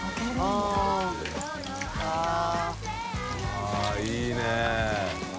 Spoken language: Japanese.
あいいね。